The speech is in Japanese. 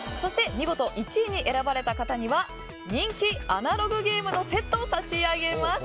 見事１位に選ばれた方には人気アナログゲームのセットを差し上げます。